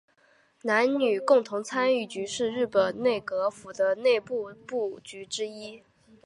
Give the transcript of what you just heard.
男女共同参与局是日本内阁府的内部部局之一。